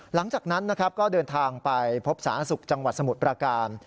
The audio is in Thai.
หลังจากนั้นนะครับก็เดินทางไปพบสาธารณสุขจังหวัดสมุทรประการ